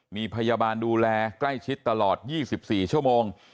มีพยาบาลดูแลใกล้ชิดตลอด๒๔ชั่วโมง